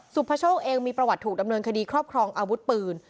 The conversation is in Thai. สุภโชคเองมีประวัติถูกดำเนินคดีครอบครองอาวุธปืน